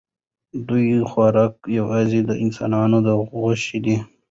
د دوی خوراک یوازې د انسانانو غوښې دي.